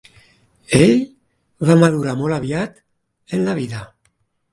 Ell va madurar molt aviat en la vida.